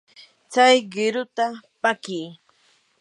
tsay qiruta pakii.